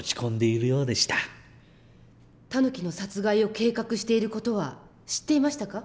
タヌキの殺害を計画している事は知っていましたか？